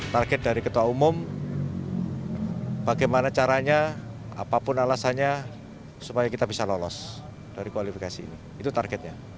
target dari ketua umum bagaimana caranya apapun alasannya supaya kita bisa lolos dari kualifikasi ini itu targetnya